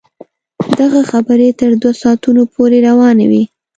دغه خبرې تر دوه ساعتونو پورې روانې وې.